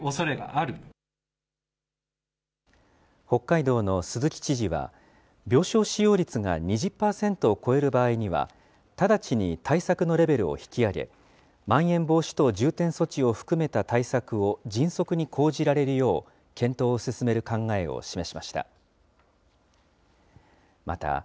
北海道の鈴木知事は、病床使用率が２０％を超える場合には、直ちに対策のレベルを引き上げ、まん延防止等重点措置を含めた対策を迅速に講じられるよう検討を進める考えを示しました。